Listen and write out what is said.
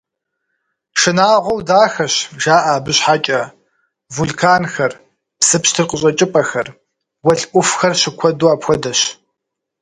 «Шынагъуэу дахэщ» жаӀэ абы щхьэкӀэ: вулканхэр, псы пщтыр къыщӀэкӀыпӀэхэр, гуэл Ӏувхэр щыкуэду апхуэдэщ.